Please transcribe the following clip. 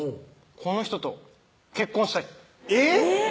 この人と結婚したいえぇっ！